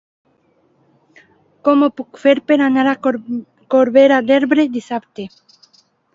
Com ho puc fer per anar a Corbera d'Ebre dissabte?